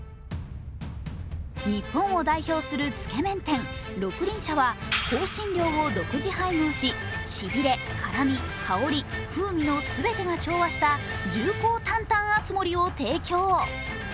日本を代表するつけ麺店、六厘舎は香辛料を独自配合し、しびれ、辛み香り、風味の全てが調和した重厚担々あつもりを提供。